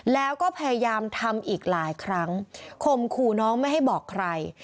แล้วก็พยายามทำอีกหลายครั้งข่มขู่น้องไม่ให้บอกใคร